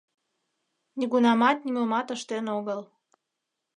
Нигунамат нимомат ыштен огыл.